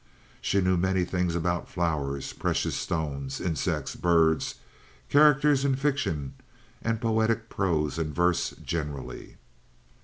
She knew many things about flowers, precious stones, insects, birds, characters in fiction, and poetic prose and verse generally.